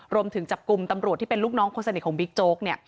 รวมถึงจับกลุ่มตำรวจที่เป็นลูกน้องคนสนิทของบิ๊กโจ๊ก